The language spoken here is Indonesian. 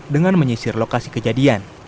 dengan menyisir lokasi kejadian